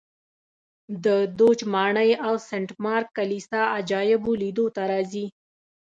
د دوج ماڼۍ او سنټ مارک کلیسا عجایبو لیدو ته راځي